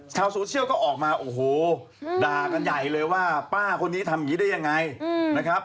ชาวโซเชียลก็ออกมาโอ้โหด่ากันใหญ่เลยว่าป้าคนนี้ทำอย่างนี้ได้ยังไงนะครับ